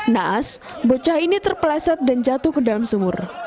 naas bocah ini terpeleset dan jatuh ke dalam sumur